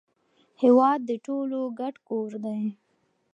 هیواد د ټولو ګډ کور دی.